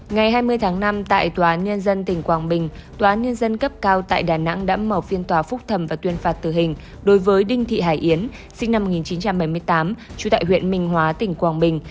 ngày hai mươi tháng năm tại tòa án nhân dân tỉnh quảng bình tòa án nhân dân cấp cao tại đà nẵng đã mở phiên tòa phúc thẩm và tuyên phạt tự hình đối với đinh thị hải yến